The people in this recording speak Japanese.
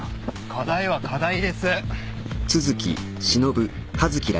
課題は課題です。